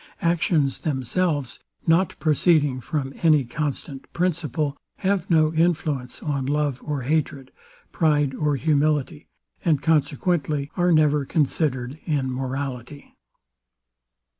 Actions themselves, not proceeding from any constant principle, have no influence on love or hatred, pride or humility; and consequently are never considered in morality.